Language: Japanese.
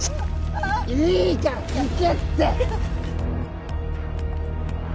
いいから行けって！